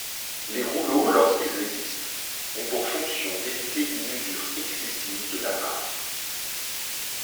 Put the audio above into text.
Les rouleaux, lorsqu'ils existent, ont pour fonction d'éviter une usure excessive de l'amarre.